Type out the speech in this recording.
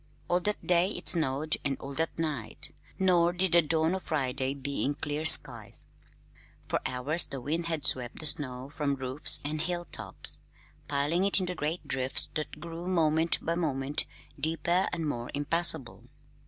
All that day it snowed and all that night; nor did the dawn of Friday bring clear skies. For hours the wind had swept the snow from roofs and hilltops, piling it into great drifts that grew moment by moment deeper and more impassable.